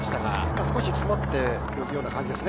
少し詰まっているような感じですね。